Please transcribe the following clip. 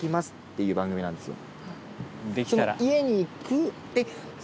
いう番組なんですよ。